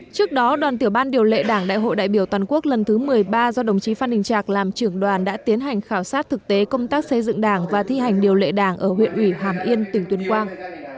trước đó đoàn tiểu ban điều lệ đảng đại hội đại biểu toàn quốc lần thứ một mươi ba do đồng chí phan đình trạc làm trưởng đoàn đã tiến hành khảo sát thực tế công tác xây dựng đảng và thi hành điều lệ đảng ở huyện ủy hàm yên tỉnh tuyên quang